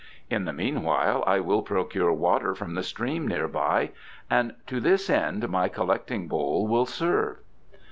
In the meanwhile I will procure water from the stream near by, and to this end my collecting bowl will serve."